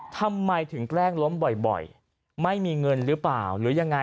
ทำไมถึงแกล้งล้มบ่อยไม่มีเงินหรือเปล่าหรือยังไง